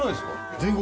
全国